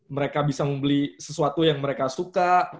mereka bisa membeli sesuatu yang mereka suka